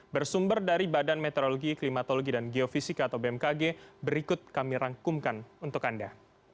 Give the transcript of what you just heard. bersumber dari badan meteorologi klimatologi dan geofisika atau bmkg berikut kami rangkumkan untuk anda